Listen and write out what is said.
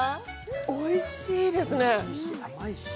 おいしいですね。